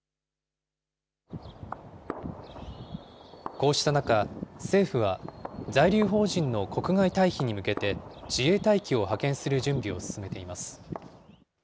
こうした中、政府は、在留邦人の国外退避に向けて、自衛隊機を派遣する準備を進めています。